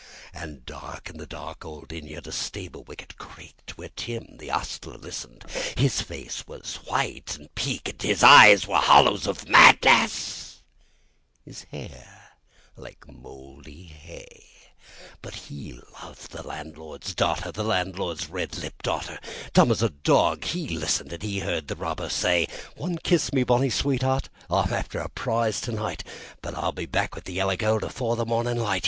Dark in the dark old inn yard a stable wicket creaked Where Tim, the ostler listened his face was white and peaked His eyes were hollows of madness, his hair like mouldy hay, But he loved the landlord's daughter The landlord's black eyed daughter; Dumb as a dog he listened, and he heard the robber say: "One kiss, my bonny sweetheart; I'm after a prize tonight, But I shall be back with the yellow gold before the morning light.